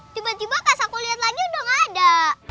tiba tiba pas aku lihat lagi udah gak ada